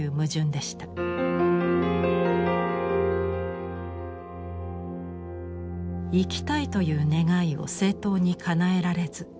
生きたいという願いを正当にかなえられず深まる葛藤。